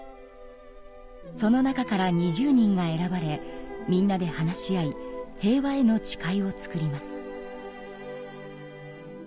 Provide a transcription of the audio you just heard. その中から２０人が選ばれみんなで話し合い「平和への誓い」を作ります。